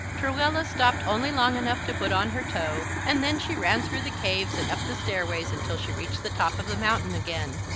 Truella stopped only long enough to put on her toe, and then she ran through the caves and up the stairways until she reached the top of the mountain again.